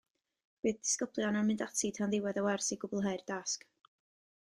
Bydd disgyblion yn mynd ati tan ddiwedd y wers i gwblhau'r dasg.